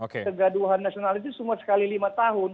kegaduhan nasional itu semua sekali lima tahun